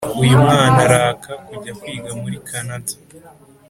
uyumwana araka kujyakwiga muri Canada